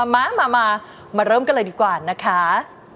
มามาเริ่มกันเลยดีกว่านะคะ